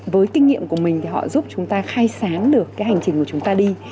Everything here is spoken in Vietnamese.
với kinh nghiệm của mình thì họ giúp chúng ta khai sáng được cái hành trình của chúng ta đi